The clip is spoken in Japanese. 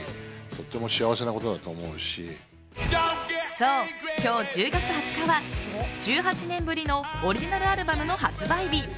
そう、今日１０月２０日は１８年ぶりのオリジナルアルバムの発売日。